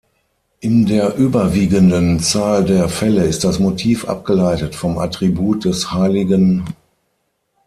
In der überwiegenden Zahl der Fälle ist das Motiv abgeleitet vom Attribut des Hl.